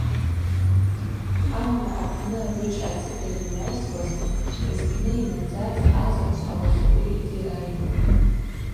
Амгӏва апны гӏвыджь ацыта йымгӏвайсуазтын зпны йнадзаз азаджв ауахьауи дирайгвун.